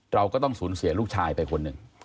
เราก็ต้องสูญเสียลูกชายไปคนหนึ่ง